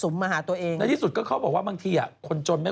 ก็นี่แหละ